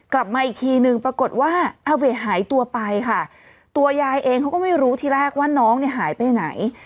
กลับมาอีกทีนึงปรากฏว่าอาเวหายตัวไปค่ะตัวยายเองเขาก็ไม่รู้ทีแรกว่าน้องเนี่ยหายไปไหน